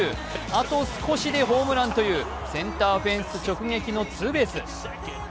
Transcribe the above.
あと少しでホームランというセンターフェンス直撃のツーベース。